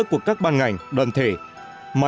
của các ban ngành đoàn thể mà